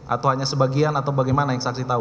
atau hanya sebagian atau bagaimana yang saksi tahu